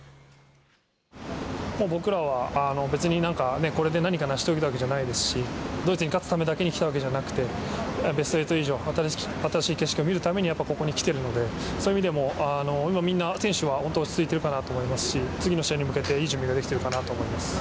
僕らは別に何かこれで何か成し遂げたわけじゃないですしドイツに勝つためだけに来たわけじゃなくてベスト８以上、新しい景色を見るためにここに来ているのでそういう意味でもみんな選手は本当に落ち着いているかなと思いますし次の試合に向けていい準備ができているかなと思います。